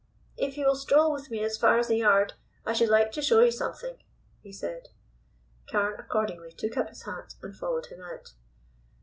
"If you will stroll with me as far as the yard, I should like to show you something," he said. Carne accordingly took up his hat and followed him out.